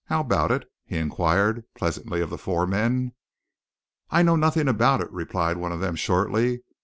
How about it?" he inquired pleasantly of the four men. "I know nothing about it," replied one of them shortly.